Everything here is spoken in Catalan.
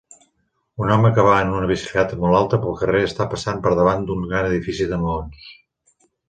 Un home que va en una bicicleta molt alta pel carrer està passant per davant d'un gran edifici de maons.